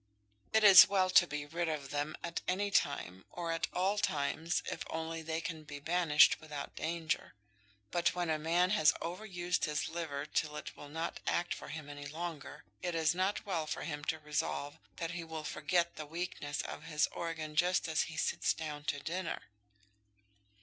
It is well to be rid of them at any time, or at all times, if only they can be banished without danger. But when a man has overused his liver till it will not act for him any longer, it is not well for him to resolve that he will forget the weakness of his organ just as he sits down to dinner.